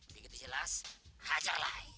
begitu jelas hajar lah